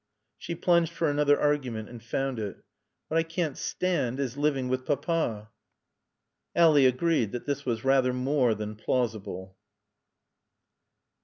She plunged for another argument and found it. "What I can't stand is living with Papa." Ally agreed that this was rather more than plausible.